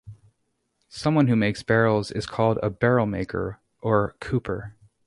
Someone who makes barrels is called a "barrel maker" or cooper.